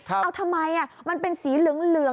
เอาทำไมมันเป็นสีเหลือง